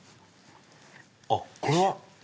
あっこれは？